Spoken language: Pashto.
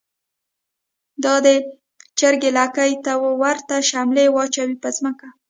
دا د چر ګ لکۍ ته ورته شملی واچوی په ځمکه